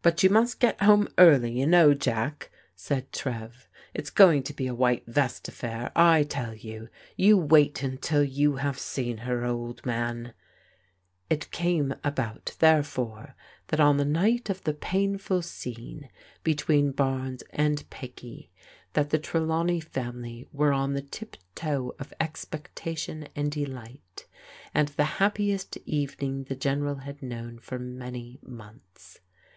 " But you must get home early, you know. Jack," said Trev ;" it's going to be a white vest affair, I tell you. You wait until you have seen her, old man !" It came about, therefore, that on the night of the pain ful scene between Barnes and Peggy, that the Trelawney family were on the tiptoe oi ex^ecXa.>L\c«v ^mcA. 4eVv^t, and TBEV'S ENGAGEMENT 273 flie happiest evening the General had known for many months.